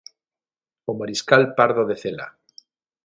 O Mariscal Pardo de Cela.